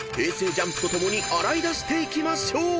ＪＵＭＰと共に洗い出していきましょう］